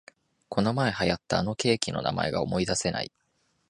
このまえ流行ったあのケーキの名前が思いだせない